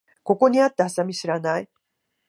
ここにあったハサミ知らない？